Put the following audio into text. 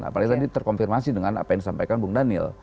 apalagi tadi terkonfirmasi dengan apa yang disampaikan bung daniel